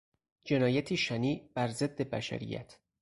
جنایتی شنیع بر ضد بشریت